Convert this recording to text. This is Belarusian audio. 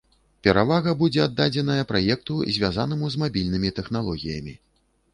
Перавага будзе аддадзеная праекту, звязанаму з мабільнымі тэхналогіямі.